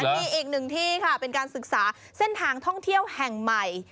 มีอีกหนึ่งที่ค่ะเป็นการศึกษาเส้นทางท่องเที่ยวแห่งใหม่